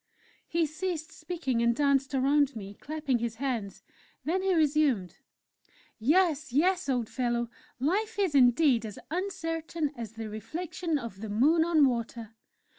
He ceased speaking, and danced around me, clapping his hands. Then he resumed: "Yes, yes, old fellow! life is, indeed, as uncertain as the reflection of the Moon on water.